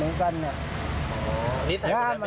ไม่รู้จักแต่มันนอนตาย